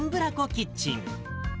キッチン。